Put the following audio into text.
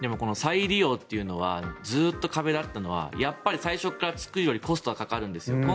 再利用というのはずっと壁だったのはやっぱり最初から作るよりコストはかかるんですよ。